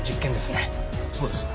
そうです。